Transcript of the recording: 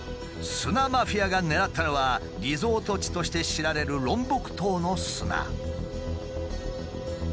砂マフィアが狙ったのはリゾート地として知られるロンボク島の砂。